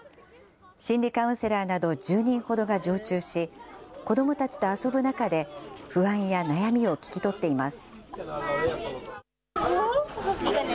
心理カウンセラーなど１０人ほどが常駐し、子どもたちと遊ぶ中で、不安や悩みを聞き取っています。